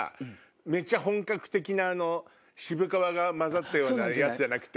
めっちゃ本格的な渋皮が混ざったようなやつじゃなくて。